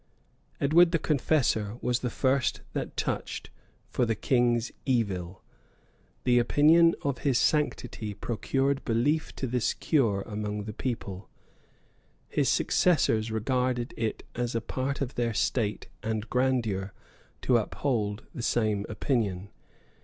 ] Edward the Confessor was the first that touched for the king's evil: the opinion of his sanctity procured belief to this cure among the people: his successors regarded it as a part of their state and grandeur to uphold the same opinion.